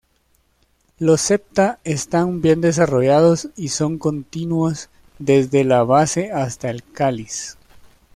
Los septa están bien desarrollados y son continuos desde la base hasta el cáliz.